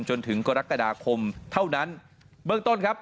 จนถึงกรกฎาคมเท่านั้นเบื้องต้นครับ